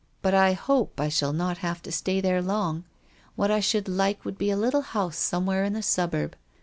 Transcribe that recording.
But I hope I shall not have to stay there long. What I should like would be a little house somewhere in a suburb.